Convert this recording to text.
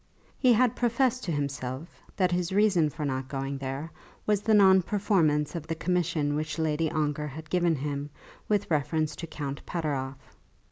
He had professed to himself that his reason for not going there was the non performance of the commission which Lady Ongar had given him with reference to Count Pateroff.